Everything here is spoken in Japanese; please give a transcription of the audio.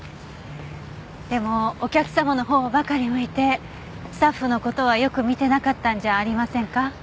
でもお客様のほうばかり向いてスタッフの事はよく見てなかったんじゃありませんか？